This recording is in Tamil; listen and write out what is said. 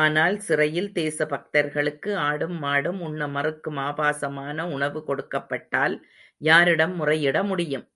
ஆனால் சிறையில் தேசபக்தர்களுக்கு, ஆடும், மாடும் உண்ண மறுக்கும் ஆபாசமான உணவு கொடுக்கப்பட்டால் யாரிடம் முறையிடமுடியும்?